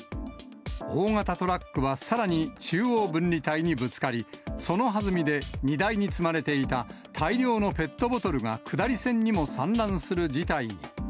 大型トラックは、さらに中央分離帯にぶつかり、その弾みで、荷台に積まれていた大量のペットボトルが下り線にも散乱する事態に。